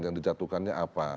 yang dicatukannya apa